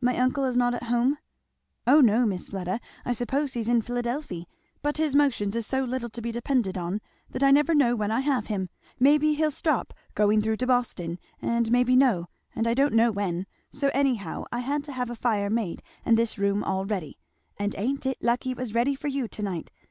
"My uncle is not at home?" "O no, Miss Fleda! I suppose he's in Philadelphy but his motions is so little to be depended on that I never know when I have him; maybe he'll stop going through to Boston, and maybe no, and I don't know when; so anyhow I had to have a fire made and this room all ready; and ain't it lucky it was ready for you to night!